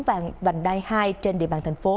vàng vành đai hai trên địa bàn thành phố